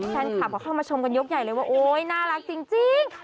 แฟนคลับก็เข้ามาชมกันยกใหญ่เลยว่าโอ๊ยน่ารักจริง